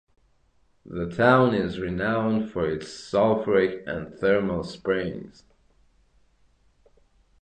The town is renowned for its sulphuric and thermal springs.